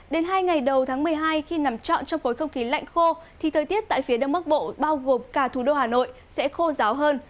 đến hai ngày đầu tháng một mươi hai khi nằm trọn trong khối không khí lạnh khô thì thời tiết tại phía đông bắc bộ bao gồm cả thủ đô hà nội sẽ khô ráo hơn